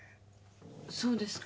そうですか？